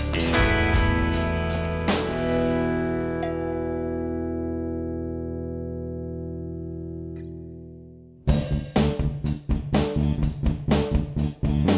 gimana nih kacamata gue bentar bentar ya